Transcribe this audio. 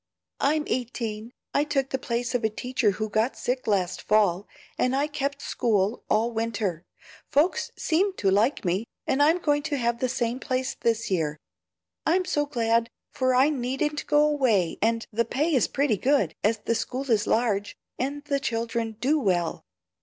"I'm eighteen. I took the place of a teacher who got sick last fall, and I kept school all winter. Folks seemed to like me, and I'm going to have the same place this year. I'm so glad, for I needn't go away and the pay is pretty good, as the school is large and the children do well.